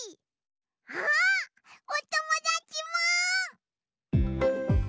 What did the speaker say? あっおともだちも！